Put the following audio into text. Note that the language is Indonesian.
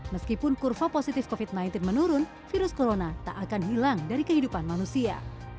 meskipun kurva positif covid sembilan belas menurun virus corona tak akan hilang dari kehidupan manusia